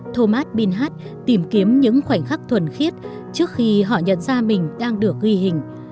thomas bilhart tìm kiếm những khoảnh khắc thuần khiết trước khi họ nhận ra mình đang được ghi hình